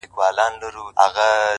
• له څه مودې ترخ يم خـــوابــــدې هغه ـ